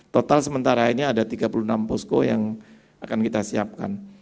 total sementara ini ada tiga puluh enam posko yang akan kita siapkan